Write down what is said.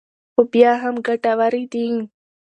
خو بیا هم ګټورې دي.